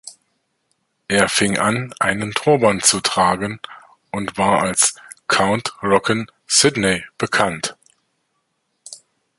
Er fing an einen Turban zu tragen und war als „Count Rockin Sidney“ bekannt.